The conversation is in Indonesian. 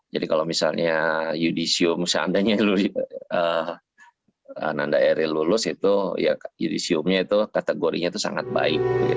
jadi kalau misalnya yudisium misalnya anda eril lulus yudisium nya kategorinya itu sangat baik